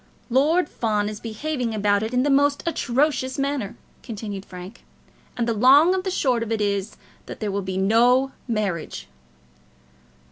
"Lord Fawn is behaving about it in the most atrocious manner," continued Frank, "and the long and the short of it is that there will be no marriage!"